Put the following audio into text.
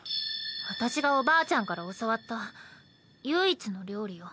私がおばあちゃんから教わった唯一の料理よ。